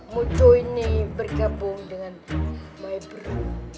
mudo ini bergabung dengan my bro